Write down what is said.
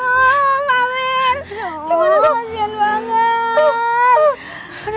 aduh mbak myr gimana pasien banget